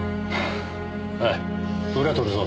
おい裏取るぞ。